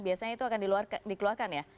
biasanya itu akan dikeluarkan ya